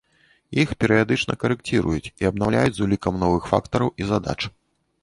Іх перыядычна карэкціруюць і абнаўляюць з улікам новых фактараў і задач.